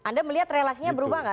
anda melihat relasinya berubah nggak